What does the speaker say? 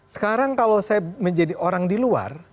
sekarang kalau saya menjadi orang di luar